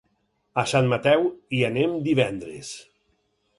A Sant Mateu hi anem divendres.